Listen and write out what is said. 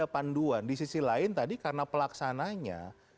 panduan di sisi lain tadi karena pelaksananya